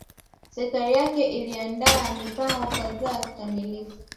Serikali yake iliandaa mipango kadhaa kikamilifu